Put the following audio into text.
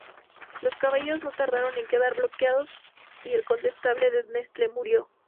Los caballos no tardaron en quedar bloqueados y el condestable De Nesle murió.